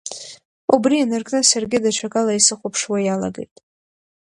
Убри инаркны, саргьы даҽакала исыхәаԥшуа иалагеит.